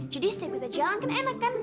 jadi setiap kita jalan kan enak kan